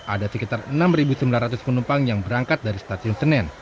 ada sekitar enam sembilan ratus penumpang yang berangkat dari stasiun senen